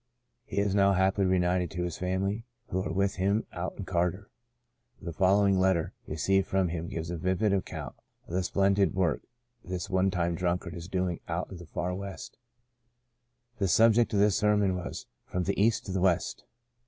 He is now happily reunited to his family, who are with him out in Carter. The following letter received from him gives a vivid account of the splendid work this one time drunkard is doing out in the far West :The subject of the sermon was * From the East to the West.'